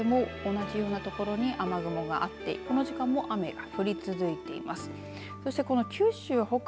そのあと午後にかけても同じようなところに雨雲があってこの時間も雨が降り続いています。